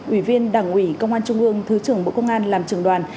ủy viên đảng ủy công an trung ương thứ trưởng bộ công an làm trường đoàn